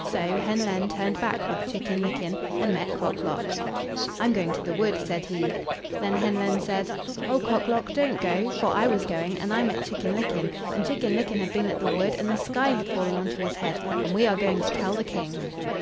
So Hen len turned back with Chicken licken, and met Cock lock. "I'm going to the wood," said he. Then Hen len said: "Oh Cock lock, don't go, for I was going, and I met Chicken licken, and Chicken licken had been at the wood, and the sky had fallen on to his head, and we are going to tell the King."